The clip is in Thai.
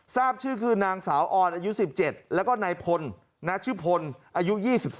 ทราบชื่อคือนางสาวออนอายุ๑๗แล้วก็นายพลชื่อพลอายุ๒๓